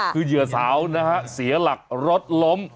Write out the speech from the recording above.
คือเหยื่อสาวนะฮะเสียหลักรถล้ม